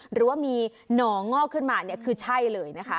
หรือว่ามีหนองอกขึ้นมาเนี่ยคือใช่เลยนะคะ